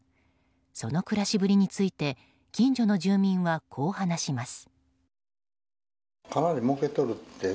その暮らしぶりについて近所の住民はこう話します。